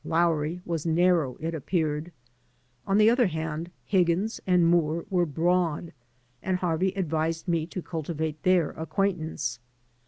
Lowry was narrow, it appeared. On the other hand, Higgins and Moore were broad, and Harvey advised me to cultivate their acquaintance.